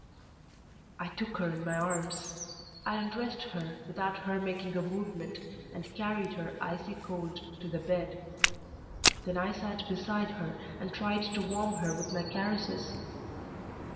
I took her in my arms. I undressed her, without her making a movement, and carried her, icy cold, to the bed. Then I sat beside her and tried to warm her with my caresses.